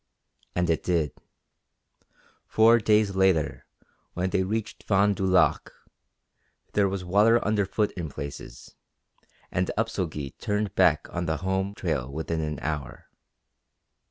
And it did. Four days later, when they reached Fond du Lac, there was water underfoot in places, and Upso Gee turned back on the home trail within an hour.